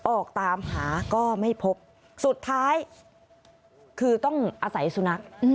ออกตามหาก็ไม่พบสุดท้ายคือต้องอาศัยสุนัข